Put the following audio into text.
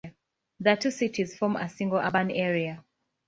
The two cities form a single urban area.